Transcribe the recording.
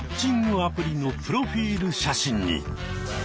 アプリのプロフィール写真に！